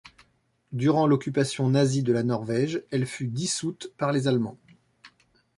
Durant l'occupation nazie de la Norvège, elle fut dissoute par les Allemands.